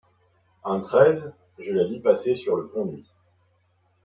Un treize, je la vis passer sur le Pont-Nuit ;